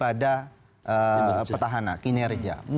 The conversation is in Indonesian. tingkat kepuasan publik pada petahana kinerja